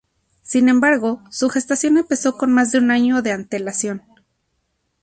Sin embargo, su gestación empezó con más de un año de antelación.